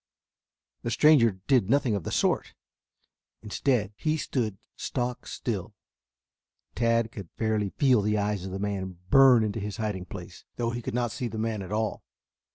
The stranger did nothing of the sort. Instead, he stood stock still. Tad could fairly feel the eyes of the man burn into his hiding place, though he could not see the man at all.